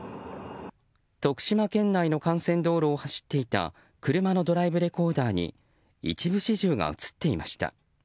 徳島県内の幹線道路を走っていた車のドライブレコーダーに一部始終が映っていました。